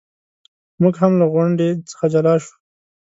موږ هم له غونډې څخه جلا شو.